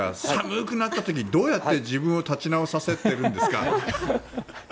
寒くなった時どうやって自分を立ち直させているんですか。